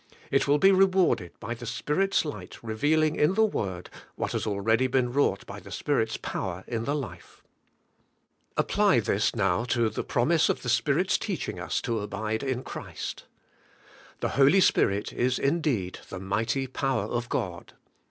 It will be rewarded by the Spirit's light revealing in the Word what has already been wrought by the Spirit's power in the life. Apply this now to the promise of the Spirit's teach ing ns to abide in Christ. The Holy Spirit is indeed the mighty power of God.